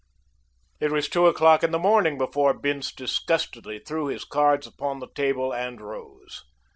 It was two o'clock in the morning before Bince disgustedly threw his cards upon the table and rose.